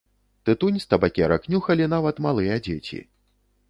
Тытунь з табакерак нюхалі нават малыя дзеці.